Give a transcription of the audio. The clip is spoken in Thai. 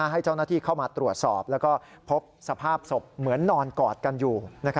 ให้เจ้าหน้าที่เข้ามาตรวจสอบแล้วก็พบสภาพศพเหมือนนอนกอดกันอยู่